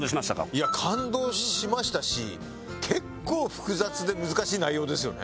いや感動しましたし結構複雑で難しい内容ですよね。